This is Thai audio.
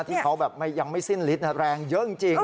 ที่เขาแบบยังไม่สิ้นฤทธแรงเยอะจริง